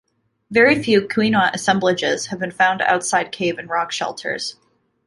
Very few Quina assemblages have been found outside cave and rock shelters.